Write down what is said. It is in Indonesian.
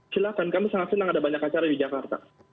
silahkan kami sangat senang ada banyak acara di jakarta